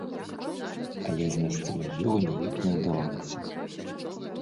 Але знайсці магілу ніяк не ўдавалася.